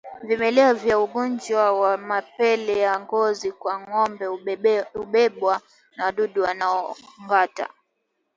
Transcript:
Vimelea vya ugonjwa wa mapele ya ngozi kwa ngombe hubebwa na wadudu wanaongata